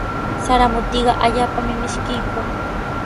Sara mutiqa allaapami mishkiykun.